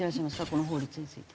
この法律について。